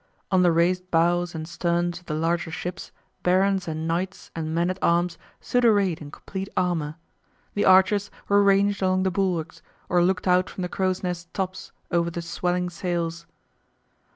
On the raised bows and sterns of the larger ships barons and knights and men at arms stood arrayed in complete armour. The archers were ranged along the bulwarks, or looked out from the crow's nest tops over the swelling sails.